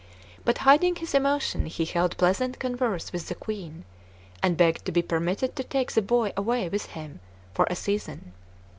But, hiding his emotion, he held pleasant converse with the Queen, and begged to be permitted to take the boy away with him for a season.